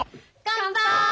乾杯！